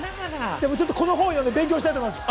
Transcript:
でも、この本を読んで勉強したいと思います。